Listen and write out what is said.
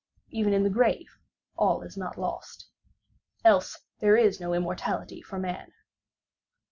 even in the grave all is not lost. Else there is no immortality for man.